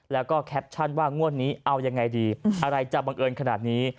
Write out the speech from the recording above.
แล้วก็แคปชั่นว่างวดนี้เอายังไงดีอะไรจะบังเอิญขนาดนี้